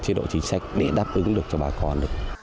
chế độ chính sách để đáp ứng được cho bà con